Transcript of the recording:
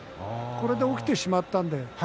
これで起きてしまったんです。